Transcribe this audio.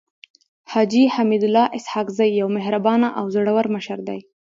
حاجي حميدالله اسحق زی يو مهربانه او زړور مشر دی.